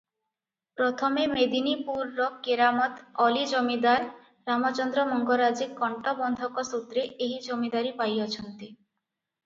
ପ୍ରଥମେ ମେଦିନୀପୁରର କେରାମତ୍ ଅଲି ଜମିଦାର ରାମଚନ୍ଦ୍ର ମଙ୍ଗରାଜେ କଣ୍ଟବନ୍ଧକ ସୂତ୍ରେ ଏହି ଜମିଦାରୀ ପାଇଅଛନ୍ତି ।